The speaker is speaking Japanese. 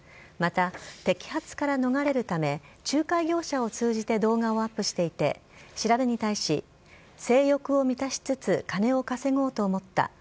また、摘発から逃れるため、仲介業者を通じて動画をアップしていて、調べに対し、性欲を満たしつつ、金を稼ごうと思った。